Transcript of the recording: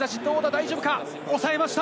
大丈夫だ、抑えました。